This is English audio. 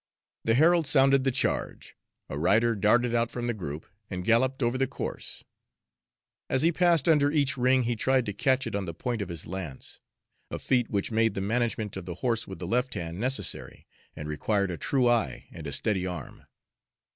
The herald sounded the charge. A rider darted out from the group and galloped over the course. As he passed under each ring, he tried to catch it on the point of his lance, a feat which made the management of the horse with the left hand necessary, and required a true eye and a steady arm.